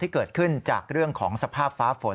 เกิดขึ้นจากเรื่องของสภาพฟ้าฝน